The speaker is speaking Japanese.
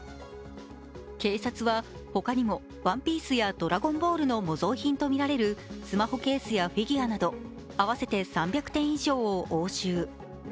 警察は、他にも「ＯＮＥＰＩＥＣＥ」や「ドラゴンボール」の模造品とみられるスマホケースやフィギュアなど合わせて３００点以上を押収。